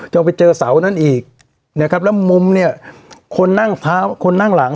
จะไปเจอเสานั้นอีกนะครับแล้วมุมเนี่ยคนนั่งเท้าคนนั่งหลัง